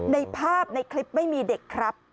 ในภาพในคลิปไม่มีเด็กครับ